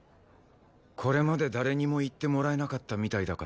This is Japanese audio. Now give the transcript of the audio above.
これまで誰にも言ってもらえなかったみたいだから教えてやる。